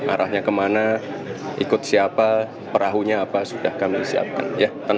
arahnya kemana ikut siapa perahunya apa sudah kami siapkan